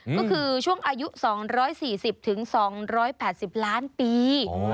ก็คือช่วงอายุ๒๔๐๒๘๐ล้านปี